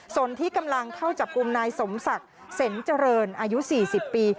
ส่วนที่กำลังเข้าจับกลุ่มนายสมศักดิ์เซ็นเจริญอายุ๔๐ปี